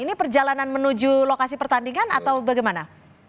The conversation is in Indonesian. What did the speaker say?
ini perjalanan menuju lokasi pertandingan atau bagaimana